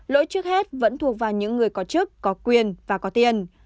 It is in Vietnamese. lỗi trước hết vẫn thuộc vào những người có chức có quyền và có tiền